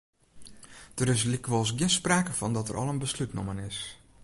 Der is lykwols gjin sprake fan dat der al in beslút nommen is.